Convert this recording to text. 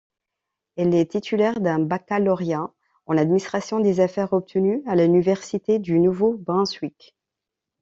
Elle est titulaire d'un baccalauréat en administration des affaires obtenu à l'Université du Nouveau-Brunswick.